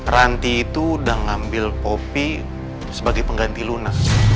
ranti itu udah ngambil poppy sebagai pengganti luna